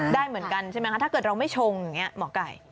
ได้เหมือนกันใช่ไหมคะถ้าเกิดเราไม่ชงอย่างนี้หมอไก่